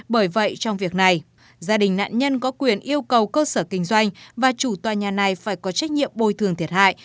bởi vậy trong việc này gia đình nạn nhân có quyền yêu cầu cơ sở kinh doanh và chủ tòa nhà này phải có trách nhiệm bồi thường thiệt hại